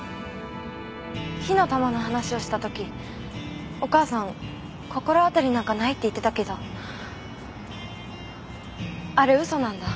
火の玉の話をしたときお母さん心当たりなんかないって言ってたけどあれ嘘なんだ。